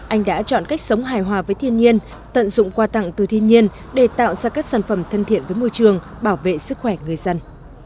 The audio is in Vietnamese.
anh đã chọn cách sống hài hòa với thiên nhiên tận dụng quà tặng từ thiên nhiên để tạo ra các sản phẩm thân thiện với môi trường bảo vệ sức khỏe người dân